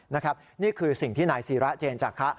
นะครับนี่คือสิ่งที่หน่ายศีระเจนจักระ